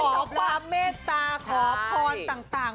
ขอความเมตตาขอพรต่าง